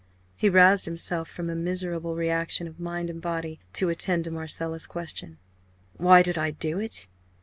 He roused himself from a miserable reaction of mind and body to attend to Marcella's question. "Why did I do it?"